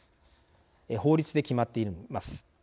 法律で決まっています。